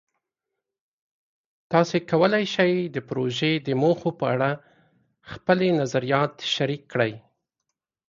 تاسو کولی شئ د پروژې د موخو په اړه خپلې نظریات شریک کړئ.